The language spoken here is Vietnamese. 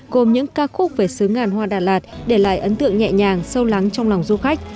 gồm những ca khúc về xứ ngàn hoa đà lạt để lại ấn tượng nhẹ nhàng sâu lắng trong lòng du khách